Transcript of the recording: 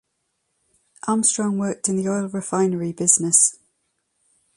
Armstrong worked in the oil refinery business.